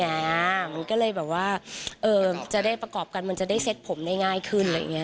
มันก็เลยแบบว่าจะได้ประกอบกันมันจะได้เซ็ตผมได้ง่ายขึ้นอะไรอย่างนี้